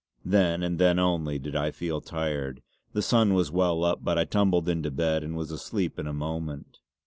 Then and then only did I feel tired. The sun was well up but I tumbled into bed and was asleep in a moment.